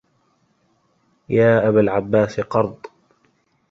يا أبا العباس قرض